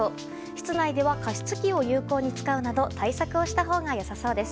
室内では加湿器を有効に使うなど対策をしたほうが良さそうです。